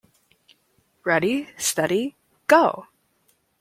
Ready Steady Go!